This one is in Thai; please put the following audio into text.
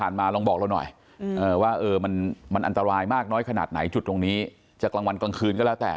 มาลองบอกเราหน่อยว่ามันอันตรายมากน้อยขนาดไหนจุดตรงนี้จะกลางวันกลางคืนก็แล้วแต่